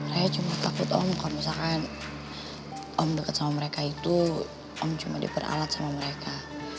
saya cuma takut om kalau misalkan om dekat sama mereka itu om cuma diperalat sama mereka